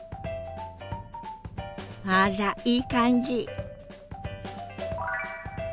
あらいい感じ！